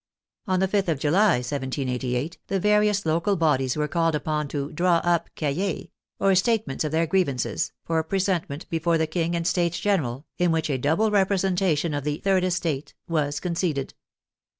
On the 5th of July, 1788, the various local bodies were called upon to draw up cahiers, or state ments of their grievances, for presentment before the King and States General, in which a double representa tion of the " third estate " was conceded.